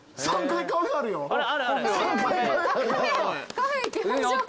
カフェ行きましょう。